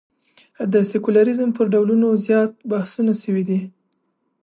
د سیکولریزم پر ډولونو زیات بحثونه شوي دي.